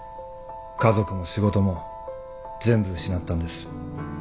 家族も仕事も全部失ったんです。